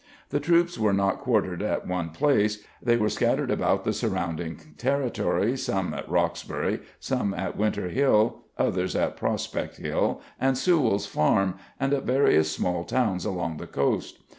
The troops were not quartered at one place, they were scattered about the surrounding territory some at Roxbury, some at Winter Hill, others at Prospect Hill and Sewall's Farm and at various small towns along the coast.